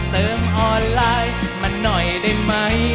เติมออนไลน์มาหน่อยได้ไหม